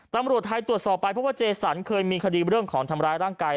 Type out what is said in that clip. ธรรมหรวจพวกทหารตรวจสอบไปเพราะว่าเจสันเคยมีคดีเวลาธรรมร้ายร่างกาย